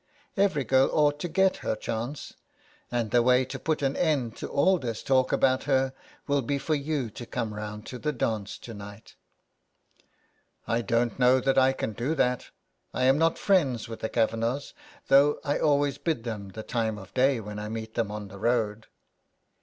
Every girl ought to get her chance, and the way to put an end to all this talk about her will be for you to come round to the dance to night." *' I don't know that I can do that. I am not friends with the Kavanaghs, though I always bid them the time of day when I meet them on the road."